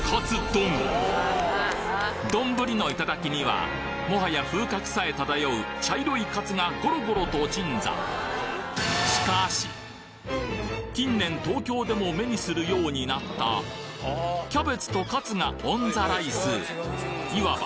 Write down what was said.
丼のいただきにはもはや風格さえ漂う茶色いカツがゴロゴロと鎮座近年東京でも目にするようになったキャベツとカツがオン・ザ・ライス。